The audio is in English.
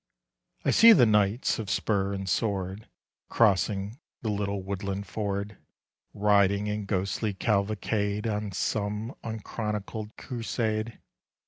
I see the knights of spur and sword Crossing the little woodland ford, Riding in ghostly cavalcade On some unchronicled crusade.